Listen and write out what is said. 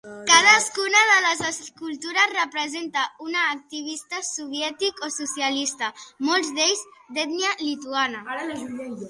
Cadascuna de les escultures representa un activista soviètic o socialista, molts d'ells d'ètnia lituana.